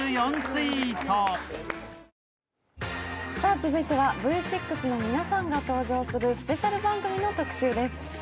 続いてはＶ６の皆さんが登場するスペシャル番組の特集です。